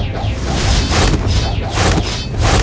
kakang ranggalawi dihadang